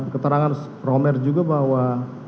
keterangan romer juga bahwa